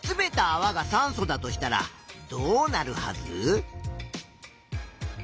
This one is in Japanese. わが酸素だとしたらどうなるはず？